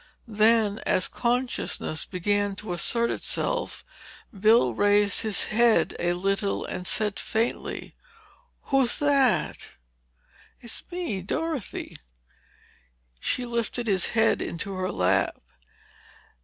Then, as consciousness began to assert itself, Bill raised his head a little and said faintly: "Who's that?" "It's me—Dorothy." She lifted his head into her lap.